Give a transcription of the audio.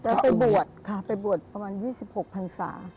แต่ไปบวชค่ะไปบวชประมาณ๒๖พันศา